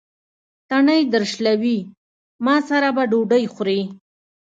تڼۍ درشلوي: ما سره به ډوډۍ خورې.